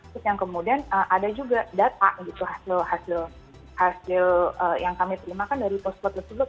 terus yang kemudian ada juga data gitu hasil hasil yang kami terima kan dari posko tersebut